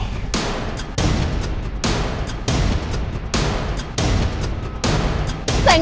sebaiknya bawa pergi diego dari sini